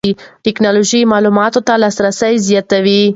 ټکنالوژي معلوماتو ته لاسرسی زیاتوي.